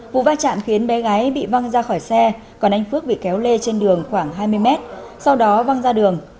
vụ va chạm khiến bé gái bị văng ra khỏi xe còn anh phước bị kéo lê trên đường khoảng hai mươi mét sau đó văng ra đường